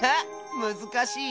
むずかしい？